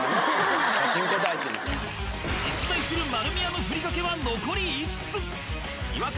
実在する丸美屋のふりかけは残り５つ違和感